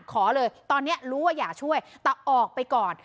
ขอเลยตอนนี้รู้ว่าอย่าช่วยแต่ออกไปก่อน